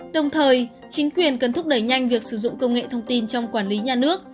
đồng thời chính quyền cần thúc đẩy nhanh việc sử dụng công nghệ thông tin trong quản lý nhà nước